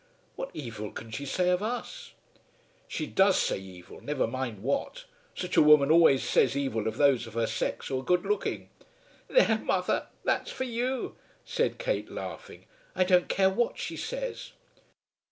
"What evil can she say of us?" "She does say evil. Never mind what. Such a woman always says evil of those of her sex who are good looking." "There, mother; that's for you," said Kate, laughing. "I don't care what she says."